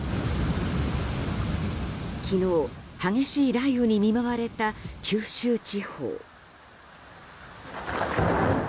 昨日、激しい雷雨に見舞われた九州地方。